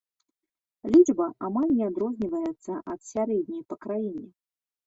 Лічба амаль не адрозніваецца ад сярэдняй па краіне.